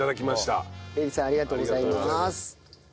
えりさんありがとうございます。